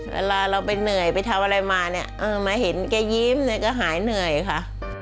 เวลาเราไปเหนื่อยไปทำอะไรมาเนี่ยมาเห็นแกยิ้มเนี่ยก็หายเหนื่อยค่ะ